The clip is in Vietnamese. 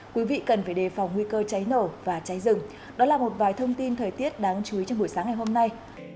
quý vị cần phải đề phòng nguy cơ cháy nổ và cháy rừng đó là một vài thông tin thời tiết đáng chú ý trong buổi sáng ngày hôm nay